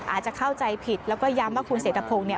อาจจะเข้าใจผิดแล้วก็ย้ำว่าคุณเศรษฐพงศ์เนี่ย